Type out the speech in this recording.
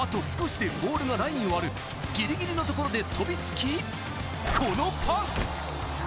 あと少しでボールがラインを割るギリギリのところで飛びつきこのパス！